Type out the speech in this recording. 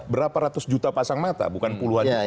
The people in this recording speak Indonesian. berapa ratus juta pasang mata bukan puluhan juta